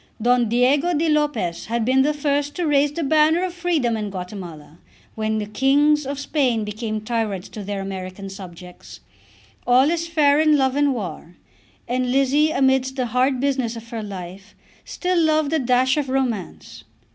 Don Diego di Lopez had been the first to raise the banner of freedom in Guatemala when the kings of Spain became tyrants to their American subjects. All is fair in love and war, and Lizzie amidst the hard business of her life still loved a dash of romance.